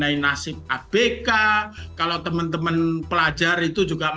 ini tidak pernah disisuarakan